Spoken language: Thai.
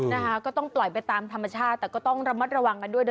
นะคะก็ต้องปล่อยไปตามธรรมชาติแต่ก็ต้องระมัดระวังกันด้วย